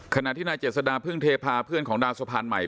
ขณะที่นายเจษดาพึ่งเทพาเพื่อนของดาวสะพานใหม่